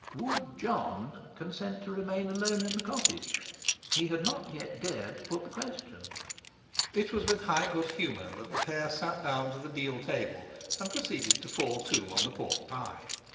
Would John consent to remain alone in the cottage? He had not yet dared to put the question. It was with high good humour that the pair sat down to the deal table, and proceeded to fall to on the pork pie.